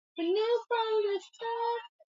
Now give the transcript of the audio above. alisema mengi yanaweza kufanywa